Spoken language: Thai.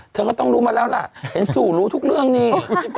เธอก็ต้องรู้มาแล้วล่ะเห็นสู่รู้ทุกเรื่องนี่